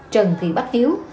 trần thị bách hiếu